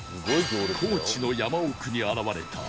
高知の山奥に現れた大行列